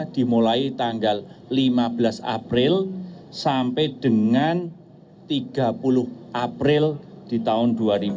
dimulai tanggal lima belas april sampai dengan tiga puluh april di tahun dua ribu dua puluh